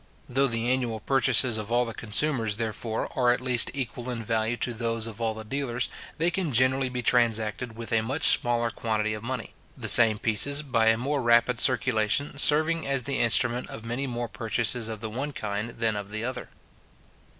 Though the annual purchases of all the consumers, therefore, are at least equal in value to those of all the dealers, they can generally be transacted with a much smaller quantity of money; the same pieces, by a more rapid circulation, serving as the instrument of many more purchases of the one kind than of the other.